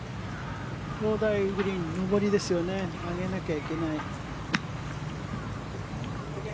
砲台グリーン上りですよね上げなきゃいけない。